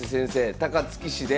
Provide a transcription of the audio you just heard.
高槻市で。